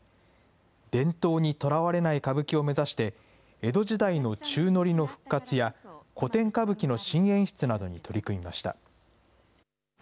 伝統にとらわれない歌舞伎を目指して、江戸時代の宙乗りの復活や古典歌舞伎の新演出などに取り組みました。